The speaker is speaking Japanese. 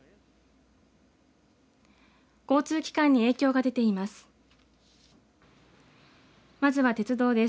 交通機関に影響が出ています。